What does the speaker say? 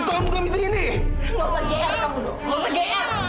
tolong buka pintu indi